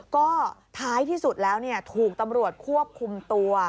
ก็ท้ายที่สุดแล้วถูกตำรวจควบคุมตัว